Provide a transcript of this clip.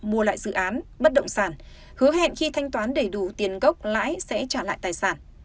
mua lại dự án bất động sản hứa hẹn khi thanh toán đầy đủ tiền gốc lãi sẽ trả lại tài sản